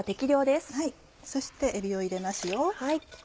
そしてえびを入れますよ。